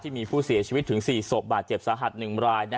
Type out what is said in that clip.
มีผู้เสียชีวิตถึง๔ศพบาดเจ็บสาหัส๑ราย